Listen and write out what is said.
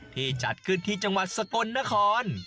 จัดขึ้นที่จังหวัดสกลนคร